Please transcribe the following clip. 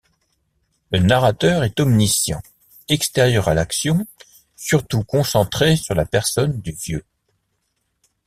Le narrateur est omniscient, extérieur à l'action, surtout concentré sur la personne du vieux.